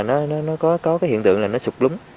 nó có cái hiện tượng là nó sụt lúng